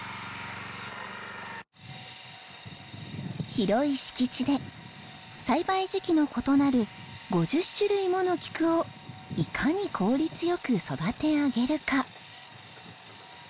広い敷地で栽培時期の異なる５０種類ものキクをいかに効率良く育て上げるか。